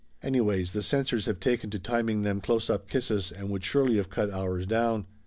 Anyways, the censors have taken to timing them close up kisses and would surely of cut ours down.